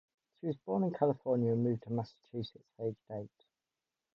She was born in California and moved to Massachusetts aged eight.